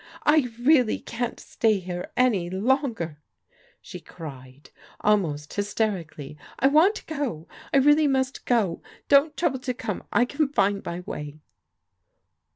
" I really can't stay here any longer," she cried, almost hysterically. " I want to go ! I reaUy must go ! Don't trouble to come — I can find my way."